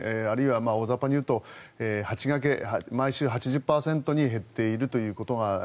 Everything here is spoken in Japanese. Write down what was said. あるいは大雑把に言うと毎週８０％に減っているということ。